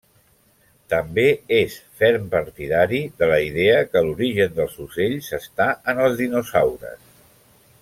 També és ferm partidari de la idea que l'origen dels ocells està en els dinosaures.